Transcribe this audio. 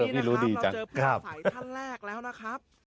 นี่นะครับเราเจอผู้อาศัยท่านแรกแล้วนะครับ